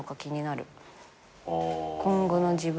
今後の自分。